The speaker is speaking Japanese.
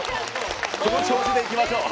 この調子でいきましょう。